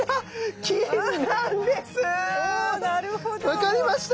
分かりました？